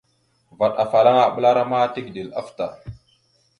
Vvaɗ afalaŋana aɓəlara ma tigəɗal afta.